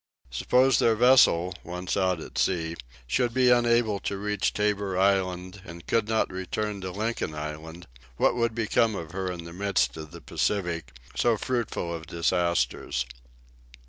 Suppose that their vessel, once out at sea, should be unable to reach Tabor Island, and could not return to Lincoln Island, what would become of her in the midst of the Pacific, so fruitful of disasters?